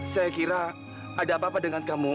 saya kira ada apa apa dengan kamu